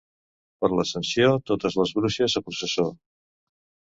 Per l'Ascensió totes les bruixes a processó.